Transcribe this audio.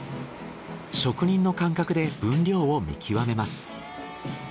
職人の感覚で分量を見極めます。